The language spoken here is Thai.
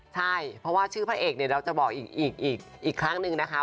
ใช่เพราะว่าชื่อพระเอกเนี่ยเราจะบอกอีกครั้งหนึ่งนะคะ